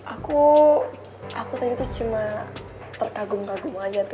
aku aku tadi tuh cuma terkagum kagum aja tuh